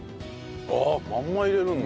あっまんま入れるんだ。